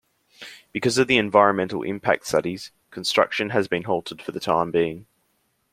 Because of the environmental impact studies, construction has been halted for the time being.